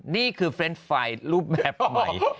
นี่คือเฟรนด์ไฟล์รูปแบบใหม่